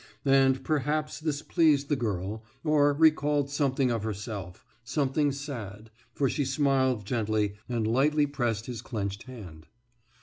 And perhaps this pleased the girl, or recalled something of herself, something sad, for she smiled gently, and lightly pressed his clenched hand.